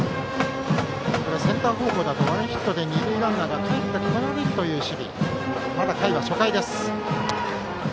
センター方向だとワンヒットで二塁ランナーがかえってこられるという守備。